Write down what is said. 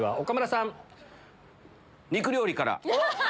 肉料理から。